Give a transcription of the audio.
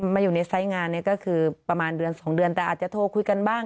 มาอยู่ในไซส์งานเนี่ยก็คือประมาณเดือน๒เดือนแต่อาจจะโทรคุยกันบ้าง